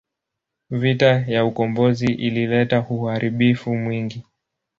Vita ya ukombozi ilileta uharibifu mwingi.